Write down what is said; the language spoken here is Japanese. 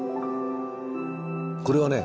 これはね